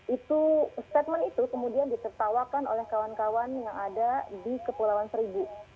itu statement itu kemudian ditertawakan oleh kawan kawan yang ada di kepulauan seribu